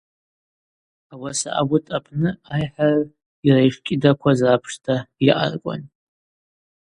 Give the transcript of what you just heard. Ауаса ауыт апны айхӏарагӏв йара йшкӏьыдакваз рапшта йаъаркӏван.